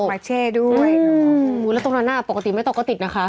มาเช่ด้วยอืมแล้วตรงนั้นน่ะปกติไม่ตกก็ติดนะคะ